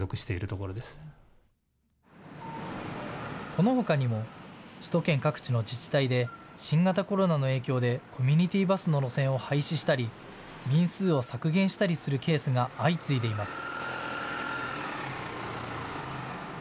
このほかにも首都圏各地の自治体で新型コロナの影響でコミュニティーバスの路線を廃止したり便数を削減したりするケースが相次いでいます。